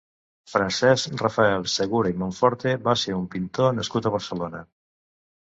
Francesc Rafael Segura i Monforte va ser un pintor nascut a Barcelona.